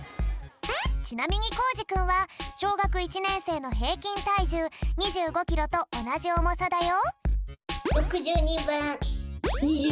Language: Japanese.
ちなみにコージくんはしょうがく１ねんせいのへいきんたいじゅう２５キロとおなじおもさだよ。